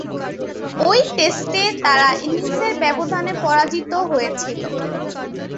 ঐ টেস্টে তারা ইনিংসের ব্যবধানে পরাজিত হয়েছিল।